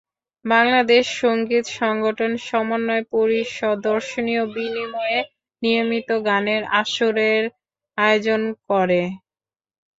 বাংলাদেশ সংগীত সংগঠন সমন্বয় পরিষদ দর্শনীর বিনিময়ে নিয়মিত গানের আসরের আয়োজন করে।